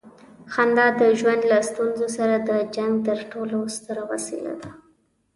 خندا د ژوند له ستونزو سره د جنګ تر ټولو ستره وسیله ده.